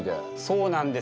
そうなんです。